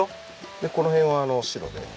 でこの辺は白で。